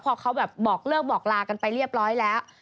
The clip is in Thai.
พอเขาแบบบอกเลิกบอกลากันไปเรียบร้อยแล้ว